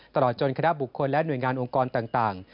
ตลอดจนคณะบุคคลและหน่วยงานองค์กรต่าง